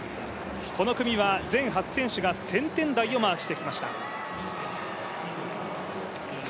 この組は全８選手が１０００点台をマークしてきました。